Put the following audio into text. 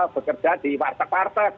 bekerja di partek partek